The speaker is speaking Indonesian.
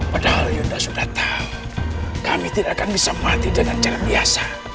padahal yuda sudah tahu kami tidak akan bisa mati dengan cara biasa